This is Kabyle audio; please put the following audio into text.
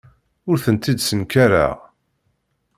Ur tent-id-ssenkareɣ.